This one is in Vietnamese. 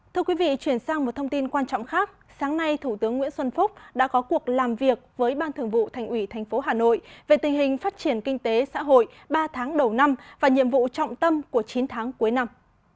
thưa quý vị chuyển sang một thông tin quan trọng khác sáng nay thủ tướng nguyễn xuân phúc đã có cuộc làm việc với ban thường vụ thành ủy tp hà nội về tình hình phát triển kinh tế xã hội ba tháng đầu năm và nhiệm vụ trọng tâm của chín tháng cuối năm